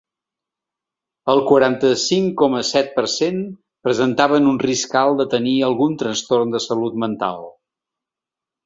El quaranta-cinc coma set per cent presentaven un risc alt de tenir algun trastorn de salut mental.